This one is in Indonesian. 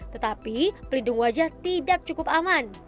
tetapi pelindung wajah tidak cukup aman